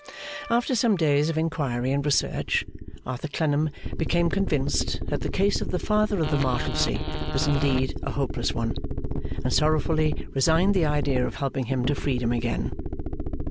After some days of inquiry and research, Arthur Clennam became convinced that the case of the Father of the Marshalsea was indeed a hopeless one, and sorrowfully resigned the idea of helping him to freedom again.